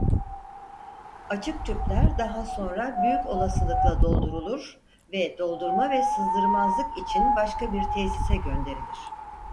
Açık tüpler daha sonra büyük olasılıkla doldurulur ve doldurma ve sızdırmazlık için başka bir tesise gönderilir.